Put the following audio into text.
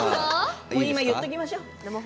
今、言っておきましょう。